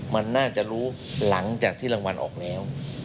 มันน่าจะรู้หลังจากที่รางวัลออกแล้ว